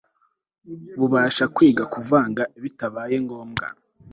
bubasha kwiga kuvanga bitabaye ngombwa